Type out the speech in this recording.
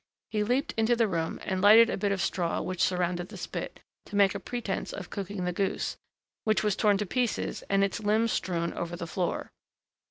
He leaped into the room, and lighted a bit of straw which surrounded the spit, to make a pretence of cooking the goose, which was torn to pieces and its limbs strewn over the floor.